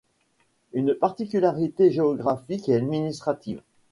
Une particularité géographique et administrative.